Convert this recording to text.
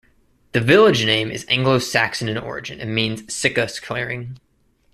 The village name is Anglo-Saxon in origin, and means "Cicca's clearing".